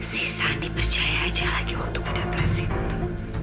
si sandi percaya aja lagi waktu kedatang situ